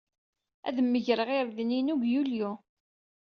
Ad megreɣ irden-inu deg Yulyu.